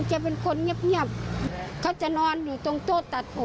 ก็เป็นไปได้ว่าเมาแล้วล่วงลด